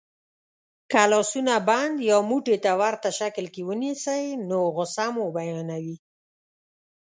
که لاسونه بند یا موټي ته ورته شکل کې ونیسئ نو غسه مو بیانوي.